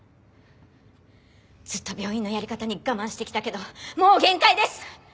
ずっと病院のやり方に我慢してきたけどもう限界です！